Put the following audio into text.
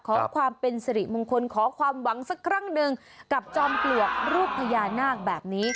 ขอความเป็นสิริมงคลขอความหวังสักครั้งหนึ่งกับจอมปลวกรูปพญานาคแบบนี้